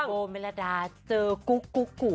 โบเมลดาเจอกุกกุกกุ